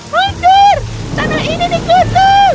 mudur tanah ini digelutur